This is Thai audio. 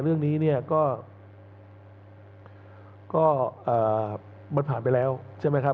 เรื่องนี้เนี่ยก็มันผ่านไปแล้วใช่ไหมครับ